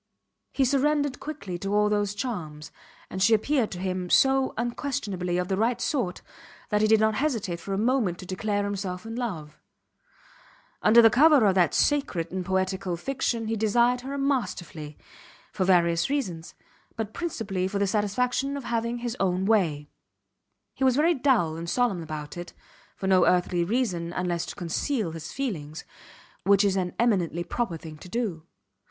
He surrendered quickly to all those charms, and she appeared to him so unquestionably of the right sort that he did not hesitate for a moment to declare himself in love. Under the cover of that sacred and poetical fiction he desired her masterfully, for various reasons; but principally for the satisfaction of having his own way. He was very dull and solemn about it for no earthly reason, unless to conceal his feelings which is an eminently proper thing to do.